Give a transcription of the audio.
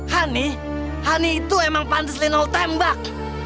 hani hani itu emang pantes lino tembak